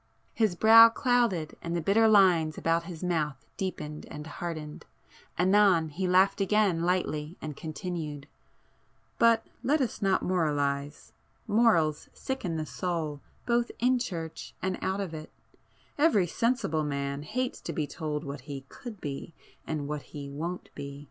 His brow clouded and the bitter lines about his mouth deepened and hardened,—anon he laughed again lightly and continued—"But let us not moralize,—morals sicken the soul both in church and out of it,—every sensible man hates to be told what he could be and what he won't be.